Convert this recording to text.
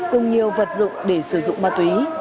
cùng nhiều vật dụng để sử dụng ma túy